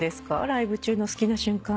ライブ中のお好きな瞬間。